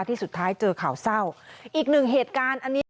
ที่สุดท้ายเจอข่าวเศร้าอีกหนึ่งเหตุการณ์อันนี้